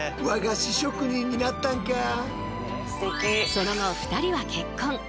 その後２人は結婚。